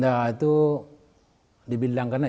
dan mereka tidak boleh pulang ke rumah